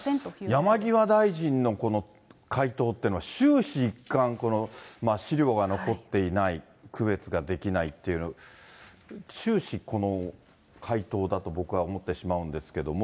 山際大臣のこの回答っていうのは、終始一貫、この資料が残っていない、区別ができないっていう、終始この回答だと、僕は思ってしまうんですけど。